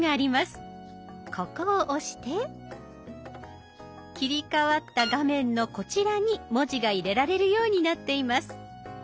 ここを押して切り替わった画面のこちらに文字が入れられるようになっています。